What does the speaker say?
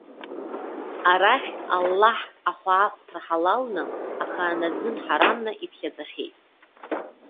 Арахь, Аллаҳ ахәаахәҭра ҳалалны, аха анаӡын ҳарамны иԥхьаӡахьеит.